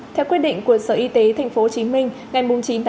theo quyết định của sở y tế tp hcm ngày chín sáu